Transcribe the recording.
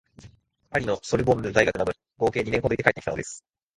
パリのソルボンヌ大学などに合計二年ほどいて帰ってきたのです